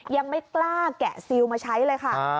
ยังไม่กล้าแกะซิลมาใช้เลยค่ะ